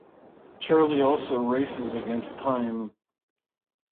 Charlie also races against time.